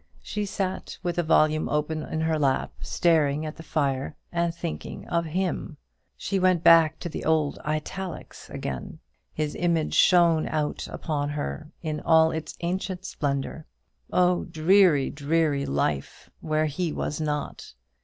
She sat, with a volume open in her lap, staring at the fire, and thinking of him. She went back into the old italics again. His image shone out upon her in all its ancient splendour. Oh, dreary, dreary life where he was not!